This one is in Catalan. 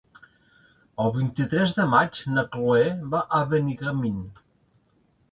El vint-i-tres de maig na Cloè va a Benigànim.